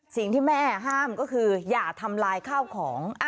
สิ่งที่แม่ห้ามก็คืออย่าทำลายข้าวของ